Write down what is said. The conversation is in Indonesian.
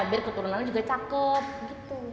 biar keturunannya juga cakep gitu